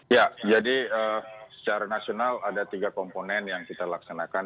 ya jadi secara nasional ada tiga komponen yang kita laksanakan